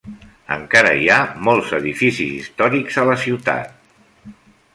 Encara hi ha molts edificis històrics de la ciutat.